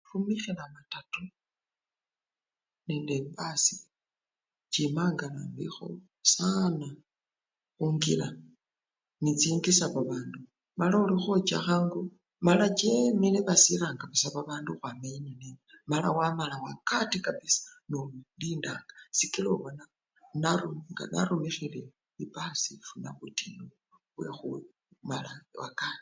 Khurumikhila matatu nende basi chimanga mubifwo saana khungila nechingisa babandu mala oli khocha mangu mala cheemile basilanga babandu khukhwama eyi-ne-neyi mala wamala wakati kabisha nolinda sikila obona nga narumikhe ebasii ifuna butinyu bwekhumala wakati